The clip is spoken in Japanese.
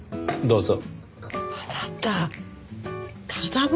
どうぞ。